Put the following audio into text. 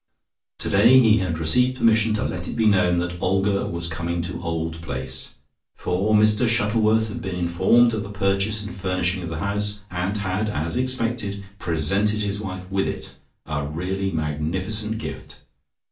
Today he had received permission to let it be known that Olga was coming to Old Place, for Mr Shuttleworth had been informed of the purchase and furnishing of the house, and had, as expected, presented his wife with it, a really magnificent gift.